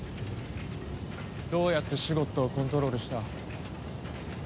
どうやってシュゴッドをコントロールした？